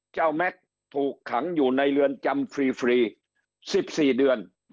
แม็กซ์ถูกขังอยู่ในเรือนจำฟรี๑๔เดือน